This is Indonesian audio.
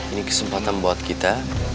ini kesempatan buat kita